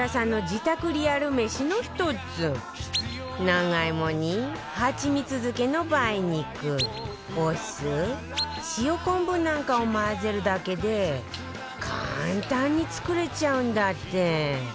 長芋にハチミツ漬けの梅肉お酢塩昆布なんかを混ぜるだけで簡単に作れちゃうんだって